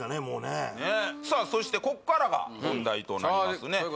もうねねっさあそしてここからが本題となりますね